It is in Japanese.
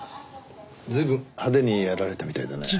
随分派手にやられたみたいだね。